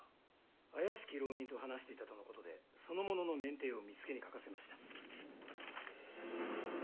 怪しき浪人と話していたとのことでその者の面体を巳助に描かせました。